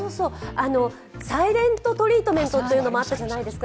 サイレントトリートメントというのもあったじゃないですか。